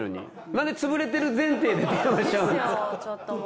なんで潰れてる前提で電話しちゃうの。